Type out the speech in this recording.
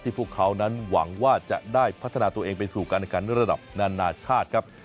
พวกเขานั้นหวังว่าจะได้พัฒนาตัวเองไปสู่การระดับนานาชาติครับ